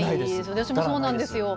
私もそうなんですよ。